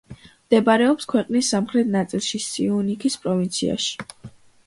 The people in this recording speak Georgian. მდებარეობს ქვეყნის სამხრეთ ნაწილში, სიუნიქის პროვინციაში.